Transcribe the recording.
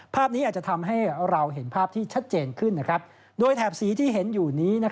ภาพนี้อาจจะทำให้เราเห็นภาพที่ชัดเจนขึ้นโดยแถบสีที่เห็นอยู่นี้